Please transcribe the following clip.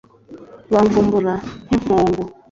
bamvumbura nk'impongo